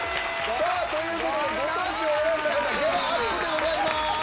さあ、ということで、ご当地を選んだ方、ギャラアップでございます。